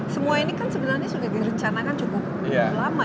semua ini kan sebenarnya sudah direncanakan cukup lama